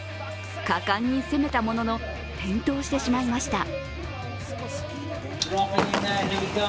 果敢に攻めたものの転倒してしまいました。